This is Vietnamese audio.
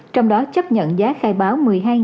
trong đó chấp nhận giá khai báo